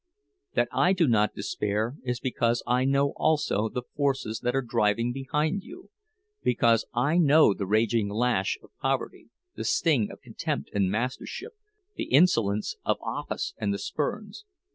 That I do not despair is because I know also the forces that are driving behind you—because I know the raging lash of poverty, the sting of contempt and mastership, 'the insolence of office and the spurns.